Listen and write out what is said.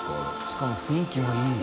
しかも雰囲気のいい。